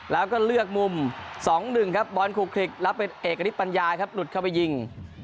แล้วก็เลือกมุม๒๑ครับบอลคลุกคลิกแล้วเป็นเอกณิตปัญญาครับหลุดเข้าไปยิง